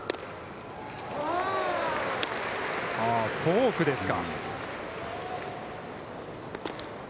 フォークですか。